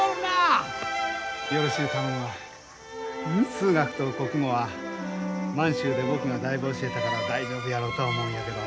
数学と国語は満州で僕がだいぶ教えたから大丈夫やろうとは思うんやけど。